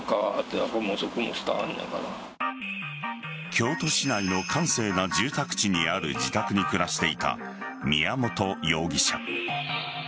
京都市内の閑静な住宅地にある自宅に暮らしていた宮本容疑者。